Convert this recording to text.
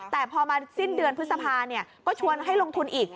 แต่พอมาสิ้นเดือนพฤษภาก็ชวนให้ลงทุนอีก